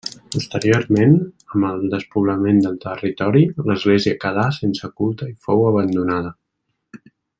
Posteriorment, amb el despoblament del territori, l'església quedà sense culte i fou abandonada.